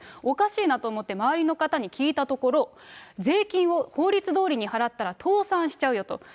おかしいなと思って、周りの方に聞いたところ、税金を法律どおりに払ったら倒産しちゃうよと。